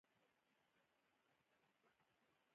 بند کړ